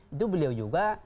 itu beliau juga